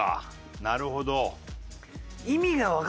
なるほど。